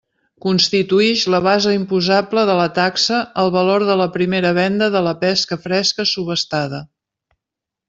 Constituïx la base imposable de la taxa el valor de la primera venda de la pesca fresca subhastada.